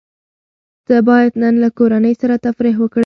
ته بايد نن له کورنۍ سره تفريح وکړې.